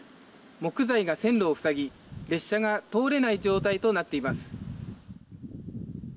木材が線路を塞ぎ、列車が通れない状態となっています。